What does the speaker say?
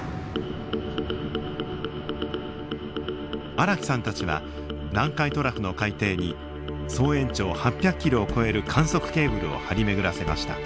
荒木さんたちは南海トラフの海底に総延長８００キロを超える観測ケーブルを張り巡らせました。